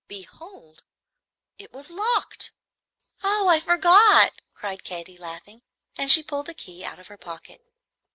Behold, it was locked! "Oh, I forgot," cried Katy, laughing; and she pulled the key out of her pocket.